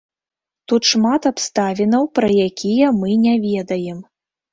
Тут шмат абставінаў, пра якія мы не ведаем.